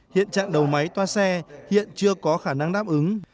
hiện trạng đầu máy toa xe hiện chưa có khả năng đáp ứng